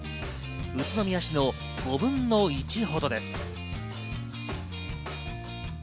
宇都宮市の５分の１ほどです。